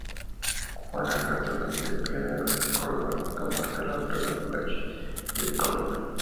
Juana Castro, nacida en Villanueva de Córdoba, comarca Los Pedroches, vive en Córdoba.